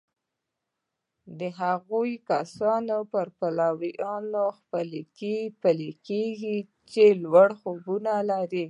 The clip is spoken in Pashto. د هغو کسانو پر پلونو پل کېږدئ چې لوړ خوبونه لري